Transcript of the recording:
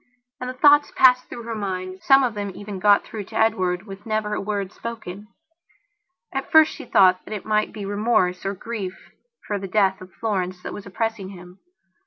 And the thoughts passed through her mind; some of them even got through to Edward with never a word spoken. At first she thought that it might be remorse, or grief, for the death of Florence that was oppressing him.